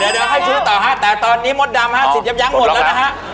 เดี๋ยวให้ชู้ตัวแต่ตอนนี้หมดดำฮะสิทธิ์หย้ำย้ำหมดแล้วนะฮะ